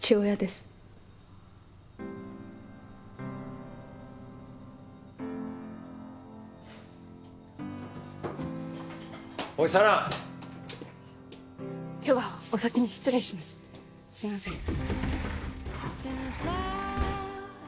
すいません。